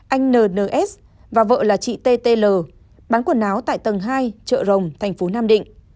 anh nns và vợ là chị ttl bán quần áo tại tầng hai chợ rồng thành phố nam định